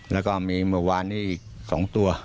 แล้วก็มีเมื่อวานนี้อีก๒ตัว